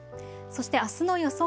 そしてあすの予想